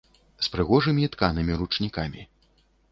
З прыгожымі тканымі ручнікамі.